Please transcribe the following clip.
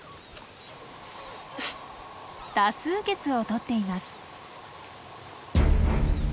多数決をとっています。